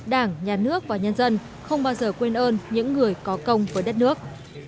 đảng nhà nước và nhân dân không bao giờ quên ơn những người có công với đất nước